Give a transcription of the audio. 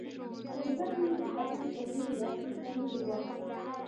په زړه کې یې د سفیر پر دې بې عقلۍ خندلي وه.